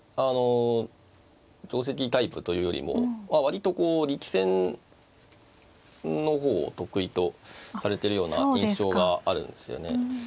定跡タイプというよりも割とこう力戦の方を得意とされてるような印象があるんですよね。